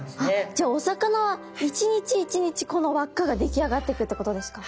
じゃあお魚は一日一日この輪っかが出来上がってくってことですか。